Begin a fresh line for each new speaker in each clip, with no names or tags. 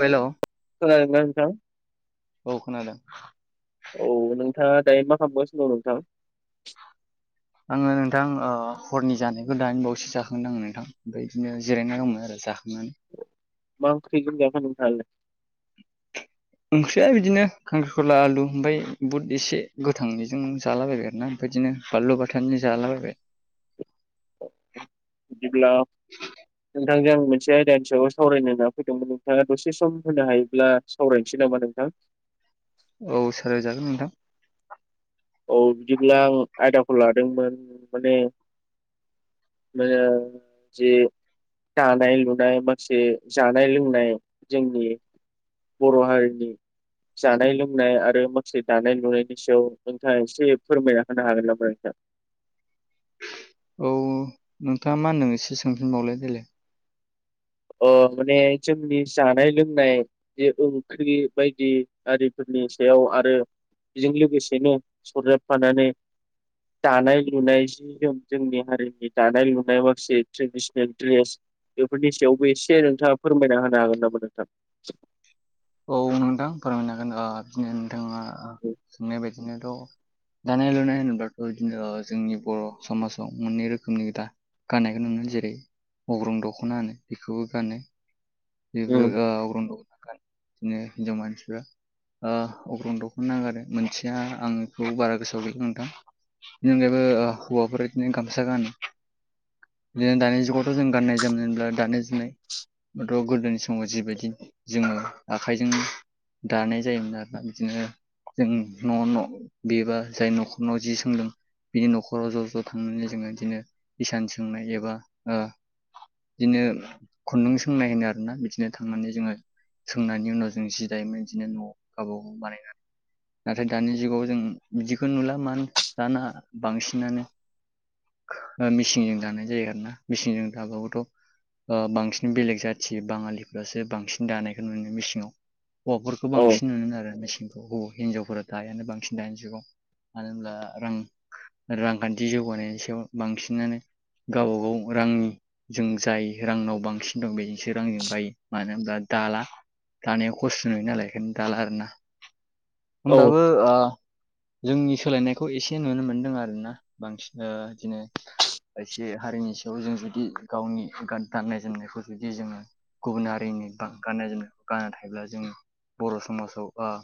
Hello
खोनादोंना नोंथां?
औ खोनादों
औ नोंथाङा दायो मा खालामगासिनो दं नोंथां?
आङो नोंथां ओ हरनि जानायखौ दानि बावैसो जाखांदों आङो नोंथां ओमफ्राय बिदिनो जिरायना दंमोन आरो जाखांनानै।
मा ओंख्रिजों जाखो नोंथाङालाय?
ओंख्रिया बिदिनो खांख्रिखला आलु ओमफ्राय बुद एसे गोथां बेजोंनो जालाबायबाय आरोना। बिदिनो बानलु बाथोनजों जालाबायबाय।
बिदिब्ला। नोंथांजों आं मोनसे आयदानि सायाव सावरायनो होनना फैदोंमोन नोंथाङा दसे सम होनो हायोब्ला सावरायनोसै नामा नोंथां।
औ सावराय जागोन नोंथां।
औ बिदिब्ला आं आयदाखौ लादोंमोन माने माने जि दानाय लुनाय माखासे जानाय लोंनाय जोंनि बर' हारिनि जानाय लोंनाय आरो माखासे दानाय लुनायनि सायाव नोंथाङा एसे फोरमायना होनो हागोन नामा नोंथां?
औ नोंथाङा मा होनदों एसे सोंफिनबावलाय देलाय।
अ माने जोंनि जानाय लोंनाय। जे ओंख्रि बायदि आरिफोरनि सायाव आरो। बेजों लोगोसेनो सरजाबफानानै दानाय लुनाय जोंनि हारिनि दानाय लुनाय माखासे ट्रेडिसेनेल द्रेस बेफोरनि सायाव। एसे नोंथाङा फोरमायना होनो हागोन नामा नोंथां?
औ नोंथां फोरमायनो हागोन बिदिनो नोंथाङा सोंनाय बायदिनो थ' दानाय लुनाय होनोब्लाथ' बिदिनो जोंनि बर' समाजाव मोननै रोखोमनि दा गाननायखौ नुयो जेरै अग्रं दख'ना होनो बेखौबो गानो बेबो
औ
आग्र दखना बिदिनो हिनजाव मानसिफ्रा। ओ अग्रं दखना गानो मोनसेया आं बेखौ बारा गोसोआव गैला नोंथां। बेनि अनगायैबो ओ हौवाफोरा बिदिनो गामसा गानो। बिदिनो दानि जुगावथ' जों गाननाय जोमनायहोनब्ला दानाय जुनाय। थ' गोदोनि समाव जिबायदि जोङो। आखाइजों दानाय जायोमोन आरोना बिदिनो। जों न' न' बेबा जाय न'खरनाव जि सोंदों। बिनि न'खराव ज' ज' थांनानै जोङो बिदिनो इसान सोंनाय एबा ओ बिदिनो खुन्दुं सोंनाय होनो आरोना बिदिनो थांनानै जोङो। सोंनायनि उनाव जों जि दायोमोन बिदिनो न' गाव बागाव बानायना नाथाय दानि जुगाव जों बिदिखौ नुला मानो दाना बांसिनानो। मेचिनजों दानाय जायो आरोना मेचिनजों दाबाबोथ'। ओ बांसिन बेलेग जाथि बाङालिफ्रासो बांसिन दानायखौ नुनो मोनो मेसिङाव हौवाफोरखौ
औ
बांसिन नुनो मोनोमोन आरो मेसिनखौ अबाव हिनजावफोरा दायानो बांसिन दानि जुगाव मानो होनब्ला रां रांखान्थि जौगानायनि सायाव बांसिनानो गाव गाव रांनि जों जाय रांनाव बांसिन दं बेजोंसो रांजों बायो मानो होनब्ला दाला दानायाव खस्थ' नुयो नालाय बेखायनो दाला आरो ना
औ
होमबाबो ओ जोंनि सोलायनायखौ एसे नुनो मोनदों आरोना बांसिन ओ इदिनो एसे हारिनि सायाव जों जुदि गावनि गाननाय जोमनायखौ जुदि जोङो गुबुन हारिनि बा गाननाय जोमनाय गानना थायोब्ला जों बर' समाजाव ओ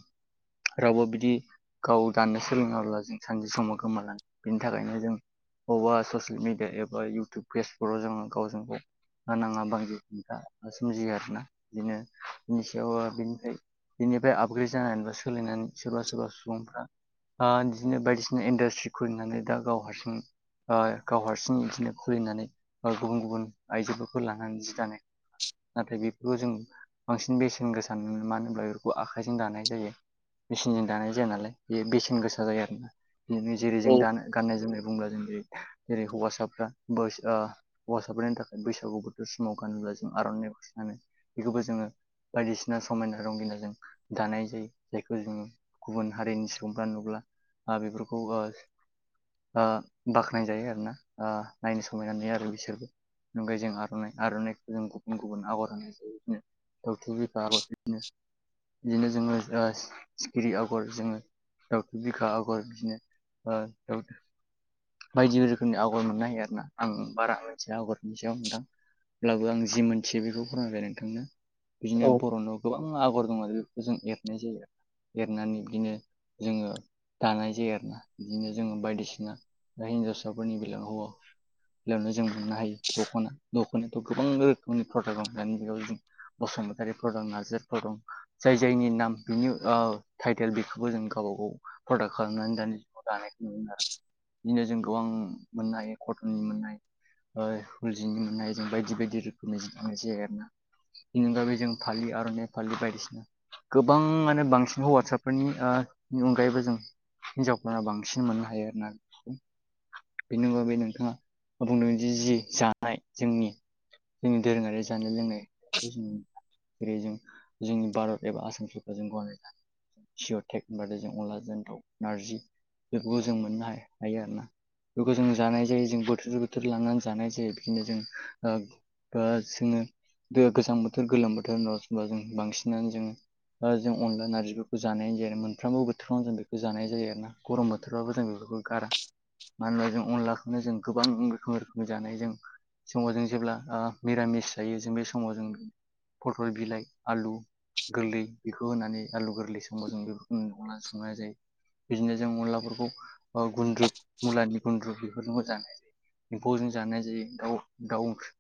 रावबो बिदि गाव गाननो सोलोङाब्ला जों सानसे समाव गोमालाङो बेनि थाखायनो जों बबेबा ससियेल मिडिया एबा इउटुब फेसफोराव जोङो गावजों गाव नाङा बायदि खोथा सोमजियो आरोना बिदिनो बिनि सायाव ओ बेनिफ्राय बेनिफ्राय आपग्रेड जानानैबो सोलायनानै सोरबा सोरबा सुबुंफ्रा आ इदिनो बायदिसिना इन्डासट्रि खुलिनानै दा गाव हारसिं ओ गाव हारसिं बिदिनो खुलिनानै गुबुन गुबुन आइजोफोरखौ लानानै जि दानाय नाथाय बेफोरखौ जों बांसिन बेसेन गोसा नुनो मानो होनबा बेफोरखौ आखायजों दानाय जायो। मेचिनजों दानाय जाया नालाय बेयो बेसेन गोसा जायो आरोना जेरै जों गानो गाननाय जोमनाय बुंब्ला जों जेरै हौवासाफ्रा बयस ओ हौवासाफोरनि थाखाय बैसागु बोथोर समाव गानोब्ला जों आर'नाइखौसो गानो बेखौबो जोङो बायदिसिना समायना रंगिनाजों दानाय जायो जायखौ जोङो गुबुन हारिनि सुबुंफ्रा नुब्ला ओ बेफोरखौ ओ आ बाख्नाय जायो आरो ना ओ नायनो समायना नुयो आरो बिसोरबो ओमफाय जों आर'नाइ आर'इखौ जों गुबुन गुबुन आगर होनाय जायो बिदिनो दावथु बिखा आगर बिदिनो बिदिनो जोङो ओ सि-सिखिरि आगर जोङो दावथु बिखा आगर बिदिनो ओ बायदि रोखोमनि आगर मोननो हायो आरो ना आं बारा मोनथिया आगरनि सायाव नोंथां अब्लाबो आं जि मोनथियो बेखौ फोरनायबाय नोंथांनो बिदिनो
औ
बर' न' गोबां आगर दं आरो बेफोरखौ जों एरनाय जायो आरो एरनानै बिदिनो जोङो दानाय जायो आरोना बिदिनो जोङो बायदिसिना ओमफाय हिन्जावसाफोरनि बेलायाव ओ बेयावनो जों मोननो हायो दख'ना दख'नायाथ' गोबां रोखोमनि प्रडाक्ट दं दानि जुगाव जों बसुमतारीफोर दं नार्जारिफोर दं जाय जायनि नाम बिनि ओ टाइटेल बेखौबो जों गावबा गाव प्रदाक्ट खालामनानै दानि जुगाव दानायखौ नुनो मोनो आरो नोंथां
[inaudible]
बिदिनो जों गोबां मोननाय कटननि मोननाय ओ उल जिनि मोननाय जों बायदि बायदि रोखोमनि जि दानाय जायो आरो ना बेनि अनगायैबो जों फालि आर'नाय फालि बायदिसिना गोबांआनो बांसिन हौवाटसारफोरनि ओ बेनि अनगायैबो जों हिनजावफोरा बांसिन मोननो हायो आरोना बेखौ बेनि अनगायैबो नोंथाङा बुंदों जि जि जानाय जोंनि जोंनि दोरोङारि जानाय लोंनायखौ जों जेरै जों जोंनि भारत एबा आसामफोरखौ जों गनायनानै ला जिअ'टेक होनबाथाय जों अनलाजों दाव नारजि बेफोरखौ जों मोननो हाया हायो आरोना बेखौ जों जानाय जायो जों बोथोरजों बोथोर लानानै जानाय जायो बिदिनो जों ओ जोङो गोजां बोथोर गोलोम बोथोर न'सिङाव जों बांसिनानो जोङो जों अनला नारजिफोरखौ जानाय जायो मोनफ्रोमबो बोथोरावनो जों बेखौ जानाय जायो आरो ना गरम बोथोरबाबो जों बेफोरखौ गारा मानो होनबा जों अनलाखौनो जों गोबां रोखोम रोखोमनि जानाय जों समाव जों जेब्ला ओ मिरामिस जायो जों बे समाव जों पटल बिलाइ आलु गोरलै बेखौ होनानै आलु गोरलै समाव जों बेफोरखौ अनला संनाय जायो बिदिनो जों अनलाफोरखौ गुन्द्रुु मुलानि गुनद्रु बे जानाय जायो एम्फौजों जानाय जायो द दाउ ओंख्रि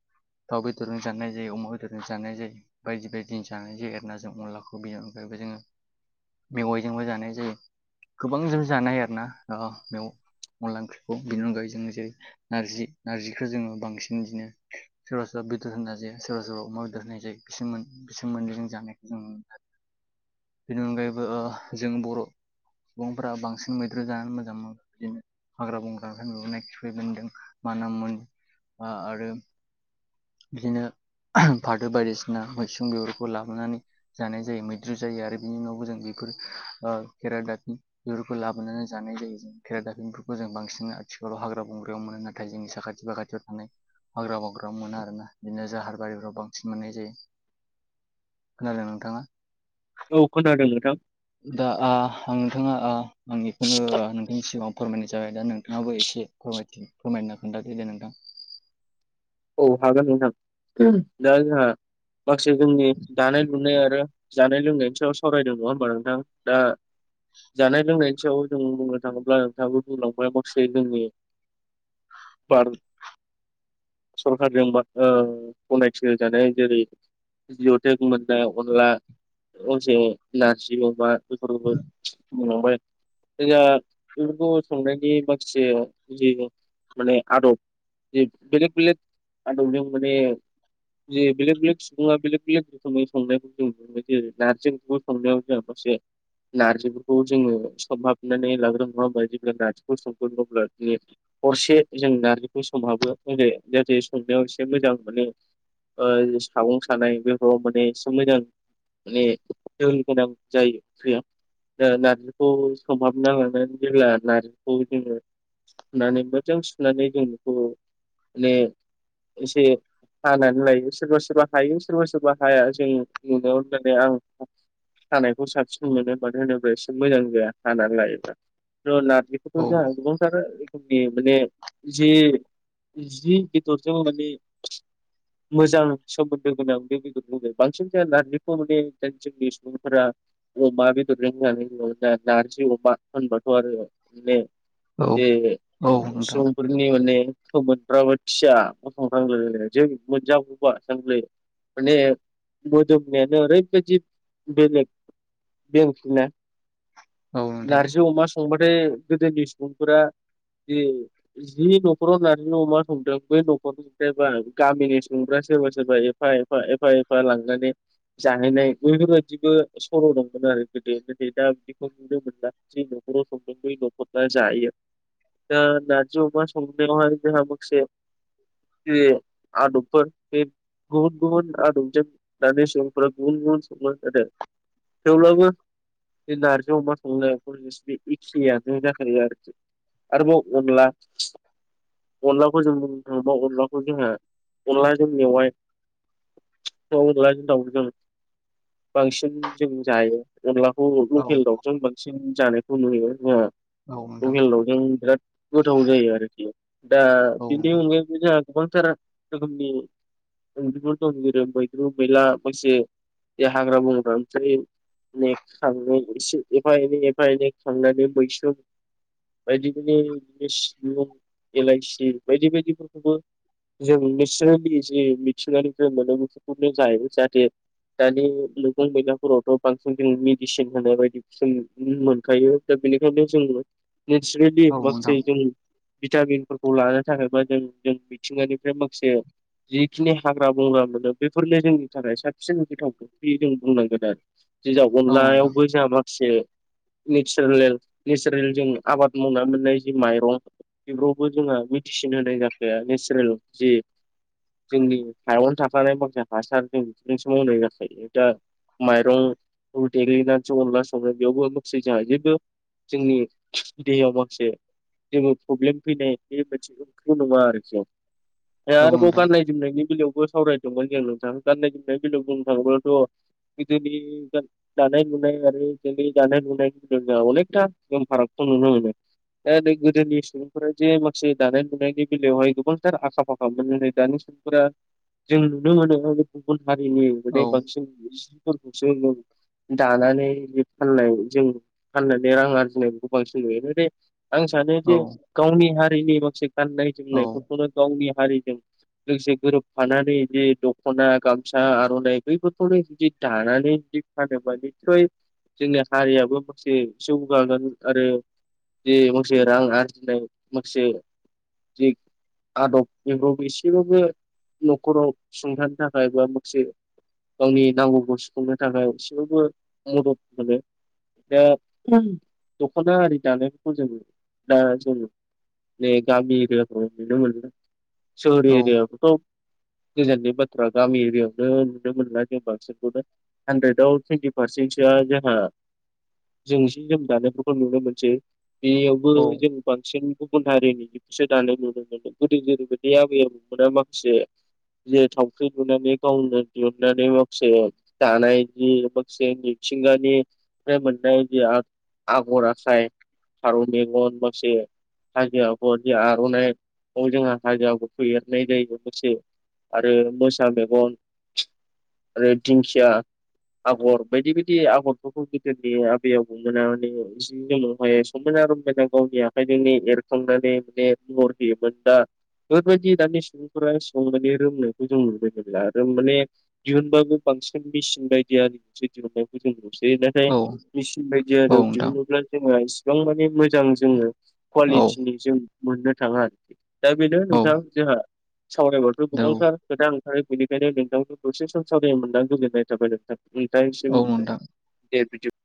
दाउ बेदरजों जानाय जायो अमा बेदरजों जानाय जायो। बायदि बायदि जानाय जायो आरोना जों अनलाखौ बेनि अनगायबो जोङो मेवाइजोंबो जानाय जायो गोबांजों जानाय आरो ना ओ मेव अनला ओंख्रिखौ बिनि अनगायै जों जेरै नारजि नारजिखौ जोङो बांसिन बिदिनो सोरबा सोरबा बेदर होना जायो सोरबा सोरबा अमा बेदर होनाय जायो बिसोरमोन बे सोमोन्दै जों जानायखौ जों नुनो बेनि अनगायैबो जों बर' सुबुंफोरा बांसिन मैद्रु जानानै मोजां मोनो बिदिनो हाग्रा बंग्रानि मोननाय खिफै बोनदों मानामुनि बोनदों आरो बिदिनो फाथो बायदिसिना मैसुं बेफोरखौ लाबोनानै जानाय जायो मैद्रु जायो आरो बिनि उनावबो जों बेफोर खेरादाफिनि बेफोरखौ लाबोनानै जानाय जायो जों खेराइ दाफिनफोरखौ जों बांसिन आथिखालाव हाग्रा बंग्रायाव मोनो नाथाय जोंनि साखाथि फाखाथि थानाय हाग्रा बग्रा मोन आरो [unintelligible] आरोना बिदिनो जाहार बारिफ्राव बांसिन मोननाय जायो खोनादोंना नोंथाङा
औ खोनादों नोंथां
दा ओ‌ आं नोंथाङा आं बेखौनो नोंथांनि सिगाङाव फोरमायनाय जाबाय दा नोंथाङाबो एसे फोरमथि फोरमायना खोन्थादो दे नोंथां।
औ हागोन नोंथां दा जोंहा माखासे जोंनि दानाय लुनाय आरो जानाय लोंनायनि सायाव सावरायदों नङा होमबा नोंथां दा जानाय लोंनायनि सायाव जों बुंनो थाङोब्ला नोंथाङाबो बुंलांबाय माखासे जोंनि बार सरखारजोंबा ओ गनायथि होजानाय जेरै जियथेक मोननाय अनला असे नारजि अमा [unintelligible] बुंलांबाय जोंहा बेफोरखौ संनायनि [unintelligible] से बिदि माने आदब [unintelligible] बेलग बेलेग आदबजों माने जे बेलेग बेलेग सुबुङा बेलेग बेलेग रोखोमै संनायखौ जों [unintelligible] जायो [unintelligible] नारजि [unintelligible] [unintelligible] नारजिफोरखौबो जोङो सोमहाबनानै लाग्रो [unintelligible] जेब्ला नारजिखौ सोमगोन अब्ला [unintelligible] हरसे जों नारजिखौ सोमहाबो [unintelligible] जाहाथे संनायाव एसे मोजां माने ओ सागं सानाय बेफोराव एसे एसे मोजां माने [unintelligible] गोनां जायो [unintelligible] ओ नारजिखौ सोमहाबना लानानै जेब्ला नार्जिखौ जोङो [unintelligible] नानै मोजां सुनानै जों बेखौबो ने एसे हानानै लायो सोरबा सोरबा हायो सोरबा सोरबा हाया जों [unintelligible] आं हानायखौ साबसिन मोनो मानो होनोब्ला एसे मोजां जाया हानानै लायोब्ला थ'
औ
नारजि [unintelligible] माने जे जि बेदरजों माने मोजां सोमोन्दो गोनां बे [unintelligible] बुंदों बांसिन बे नार्जिखौ माने [unintelligible] सुबुंफोरा अमा बेदरजों [unintelligible] नारजि अमा होनबाथ' आरो [unintelligible]
औ
जे
औ नोंथां
सुबुंफोरनि माने [unintelligible] माने मोदोमनायानो ओरैबादि बेलेग बे ओंख्रिना
औ नोंथां
नारजि अमा स संबाथाय गोदोनि सुबुंफोरा जि जि न'खराव जा न'मा संदों बै नखर सोरबा गामिनि सुबुंफ्रा सोरबा सोरबा एफा एफा एफा एफा लांनानै जाहैनाय बेफोरबायदिबो सर' दंमोन आरो गोदो गो [unintelligible] दा बेखौ नुनो मोनला जि नखराव संदों बै नखरा जायो ओ नारजि अमा संनायावहाय जोंहा माखसे जे आदबफोर बे गुबुन-गुबुन आदबजों दानि सुबुंफोरा गुबुन-गुबुन संङो [unintelligible] थेवब्लाबो बे नारजि अमा संनाय [unintelligible] एखेयानो जाथारो आरो आरोबाव अनला अनलाखौ जों बुंनो थाङोबा अनलाखौ जोंहा अनलाजों मेवाय [unintelligible] अनला जों दाउजों बांसिन जों जायो अनलाखौ
औ
लकेल दाउजों बांसिन जानायखौ नुयो [unintelligible]
औ नोंथां
लकेल दावजों बिराद गोथाव जायो आरोखि दा
औ
बिनि
नोंथां
अनगायै जोंहा गोबांथार रोखोमनि ओंख्रिफोर दं जेरै मैद्रु मैला मैसे हाग्रा बंग्रा फोरनि नै खांनै इसे एफा एनै एफा एनै खांनानै बैसोम बायदि बायदि बिसनि हेलाइसि बायदि बायदिफोरखौबो जों निसाराय बोयो जे मिथिंगानि फ्राय मोनो बेफोरखौनो जायो जाहाथे दानि मैगं मैलाफोरावथ' बांसिन जों मेडिसिन होनाय बायदिखौ जों नुनो मोनखायो। दा बेनिखायनो जों नेचारेलि
औ नोंथां
माखासे जों भिटामिनफोरखौ लानो थाखायबा जों जों मिथिंगानिफ्राय माखासे जिखिनि हाग्रा बंग्रा मोनो बेफोरनो जोंनि थाखाय साबसिन गोथाव ओंख्रि जों बुंनांगोन आरो। जिजाव
औ नोंथां
अनलायावबो जोंहा माखासे नेचारेल नेचारेल जों आबाद मावनानै मोननाय जि माइरं बेफोरावबो जोंहा मेडिसिन होनाय जाखाया नेचारेल जि जोंनि हायावनो थाखानाय माखासे हासार जों बेफोरजों समावनाय जाखायो दा माइरंखौ देग्लिनानैसो अनला संड़ो बेयावबो माखासे जोंहा जेबो जोंनि देहायाव माखासे जेबो प्रब्लेम फैनाय बेबायदि ओंख्रि नङा आरोखि
औ
आरोबाव
नोंथां
गाननाय जोमनायनि बेलायावबो सावरायदोंमोन जों नोंथां गाननाय जोमनायनि बेलायाव बुंनो थाङोब्लाथ' गोदोनि गान दानाय लुनाय आरो जोंनि दानाय लुनाय अनेकथा फारागखौ नुनो मोनो। दा नै गोदोनि सु सुबुंफोरा जे माखासे दानाय लुनायनि बेलायावहाय गोबांथार आखा फाखा मोन नै दानि सुबुंफोरा जों नुनो मोनो गुबुन हारिनि
औ
माने बांसिन जिफोरखौसो नुनो मोनो। दानानै जि फाननाय जों फाननानै रां आरजिनाय बेखौ बांसिन नुयोे। आं सानो
औ
जे गावनि हारिनि माखासे गाननाय
औ
जोमनायफोरखौनो गावनि हारिजों लोगोसे गोरोबफानानै बिदि दख'ना गामसा आर'नाइ बैफोरखौनो बिदि दानानै बिदि फानोबा निससय जोंनि हारियाबो माखासे जौगागोन आरो जे माखासे रां आरजिनाय माखासे जे आदब बेफोरावबो एसेबाबो न'खराव सुंथानो थाखाय बा माखासे गावनि नांगौ खौ सुफुंनो थाखाय एसेबो मदद मोनो। दा दख'ना आरि दानायफोरखौ जोंङो दा जों बे गामि एरियाफोराव नुनो मोनो सोहर
औ
एरियाखौथ' गोजाननि बाथ्रा गामि एरिायावनो नुनो मोनला जों बांसिनखौनो। हानद्रेदआव टुइन्टि पारसेन्टसोआ जोंहा जों सि जोम दानायफोरखौ नुनो मोनसै बेयावबो
औ
जों बांसिन गुबुन हारिनिखौसो दानाय नुनो मोनो गोदो जेरैबायदि आबै आबौमोना माखासे जेरै थावख्रि लुनानै गावनो दिहुननानै माखासे दानायनि माखासे मिथिंगानिफ्राय जे आग आगर आखाय फारौ मेगन माखासे हाजो आगरनि आर'नाय बेखौ जों हाजो आगरखौ एरनाय जायो दखरसे। आरो मोसा मेगन आरो दिंखिया। आगर बायदि बायदि आगरफोरखौ गोदोनि आबै आबैमोनानो बिसिनि समावहाय समायना रमायना गावनि आखाइजोंनो एरखांनानै माने महर होयोमोन दा बेफोरबायदि दानि सुबुंफोरा सिगांनि बायदि रोंनायखौ जों नुनो मोनला आरो माने दिहुनबाबो बांसिन मेसिन बायदि आरि जोंसो दिहुननायखौ जों नुसै दा ओमफ्राय
औ
मेसिन बायदि
औ
आरिआव
नोंथां
दिहुनोब्ला जोङो इसिबां माने मोजां जोङो
औ
कुवालिटिनि जों मोननो थाङा आरोखि। दा बेनो
औ
नोंथां जोंहा सावरायबाथ'
औ
गोबांथार खोथा ओंखारो बेनिखायनो नोंथांखौ दसे सम सावरायनो मोनदों आं गोजोननाय थाबाय नोंथां नोंथांनिसिम
औ नोंथां
दे बिदि